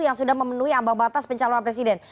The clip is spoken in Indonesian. yang sudah memenuhi ambang batas pencalon presiden